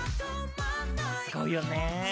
すごいよね。